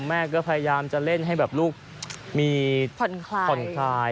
แม่ก็พยายามจะเล่นให้แบบลูกมีผ่อนคลาย